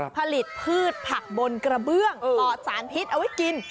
ผลิตพืชผักบนกระเบื้องปอดสารพิษเอาไว้กิน